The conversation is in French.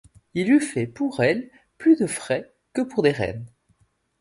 Il eût fait pour elles plus de frais que pour des reines.